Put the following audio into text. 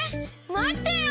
まってよ！